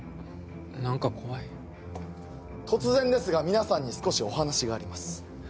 何か怖い突然ですが皆さんに少しお話があります